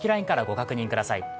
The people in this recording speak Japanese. ＬＩＮＥからご確認ください。